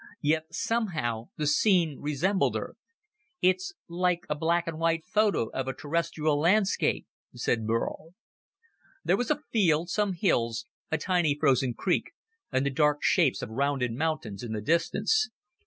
Yet somehow the scene resembled Earth. "It's like a black and white photo of a Terrestrial landscape," said Burl. There was a field, some hills, a tiny frozen creek and the dark shapes of rounded mountains in the distance.